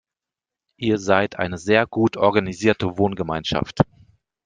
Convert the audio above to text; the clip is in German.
Ihr seid eine sehr gut organisierte Wohngemeinschaft.